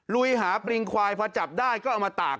ลุยหาปริงควายพอจับได้ก็เอามาตาก